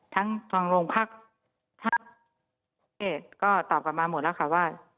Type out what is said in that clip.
ทั้งทางโรงพักษณ์ภาคภาคพิเศษก็ตอบกันมาหมดแล้วค่ะว่า